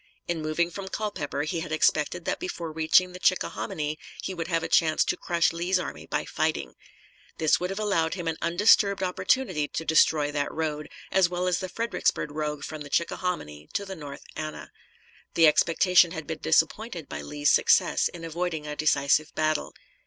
In moving from Culpeper he had expected that before reaching the Chickahominy he would have a chance to crush Lee's army by fighting. This would have allowed him an undisturbed opportunity to destroy that road, as well as the Fredericksburg road from the Chickahominy to the North Anna. The expectation had been disappointed by Lee's success in avoiding a decisive battle.